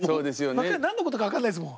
何のことか分からないですもん。